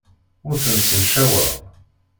Ur tent-ssencaweɣ.